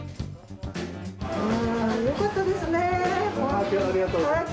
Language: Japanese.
ほんとによかったですね。